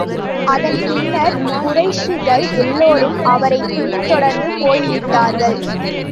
அதன் பின்னர், குறைஷிகள் எல்லோரும் அவரைப் பின் தொடர்ந்து போய் விட்டார்கள்.